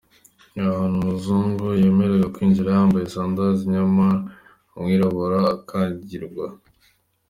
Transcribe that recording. Ni ahantu umuzungu yemererwa kwinjira yambaye sandals nyamara umwirabura akangirwa.